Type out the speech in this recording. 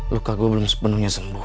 luka gue belum sepenuhnya sembuh